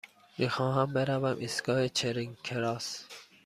می خواهم بروم ایستگاه چرینگ کراس.